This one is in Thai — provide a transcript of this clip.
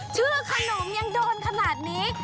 ชื่อขนมยังโดนขนาดนี้